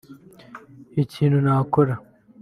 Ikintu nakora